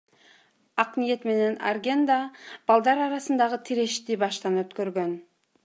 Акниет менен Арген да балдар арасындагы тирешти баштан өткөргөн.